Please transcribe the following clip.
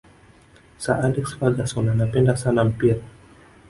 sir alex ferguson anapenda sana mpira